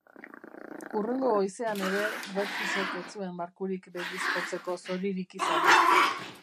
Hurrengo goizean ere Versusek ez zuen barkurik begiz jotzeko zoririk izan.